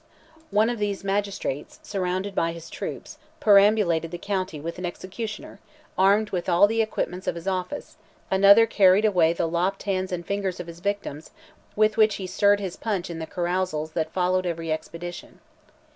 One of these magistrates, surrounded by his troops, perambulated the county with an executioner, armed with all the equipments of his office; another carried away the lopped hands and fingers of his victims, with which he stirred his punch in the carousals that followed every expedition.